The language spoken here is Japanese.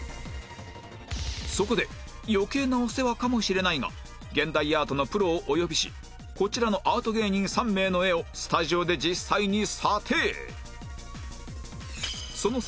そこで余計なお世話かもしれないが現代アートのプロをお呼びしこちらのアート芸人３名の絵をスタジオで実際に査定